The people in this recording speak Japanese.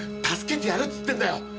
助けてやるって言ってんだよ。